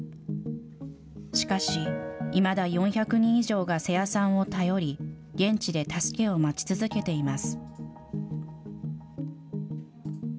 しかし、いまだ４００人以上が瀬谷さんを頼り、現地で助けを待ち続けています。